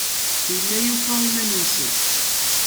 Yella yufa iman-nnes.